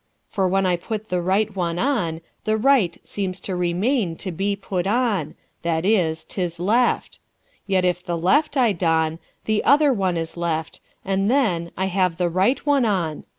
For when I put the right one on, The right seems to remain To be put on that is, 'tis left; Yet if the left I don, The other one is left, and then I have the right one on.